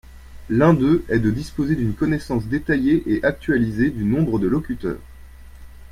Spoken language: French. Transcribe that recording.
L’un d’eux est de disposer d’une connaissance détaillée et actualisée du nombre de locuteurs.